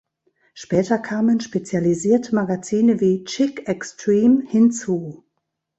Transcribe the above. Später kamen spezialisierte Magazine wie "Chick Extreme" hinzu.